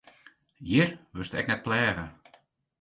Hjir wurdst ek net pleage.